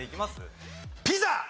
ピザ。